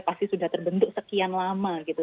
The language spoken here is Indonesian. pasti sudah terbentuk sekian lama gitu